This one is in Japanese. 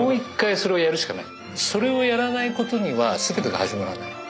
それをやらないことには全てが始まらない。